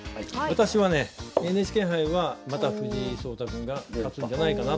私はねＮＨＫ杯はまた藤井聡太君が勝つんじゃないかなと。